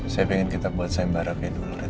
saya pingin kita buat sembah rapi dulu ren